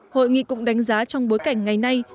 hội nghị cũng đánh giá trong bối cảnh ngày nay